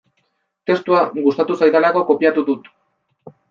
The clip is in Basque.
Testua gustatu zaidalako kopiatu dut.